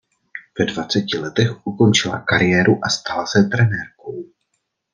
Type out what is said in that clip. Ve dvaceti letech ukončila kariéru a stala se trenérkou.